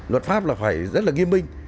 luật pháp là phải rất là nghiêm binh